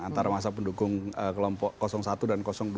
antara masa pendukung kelompok satu dan dua